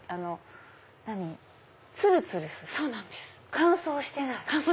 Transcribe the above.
乾燥してない！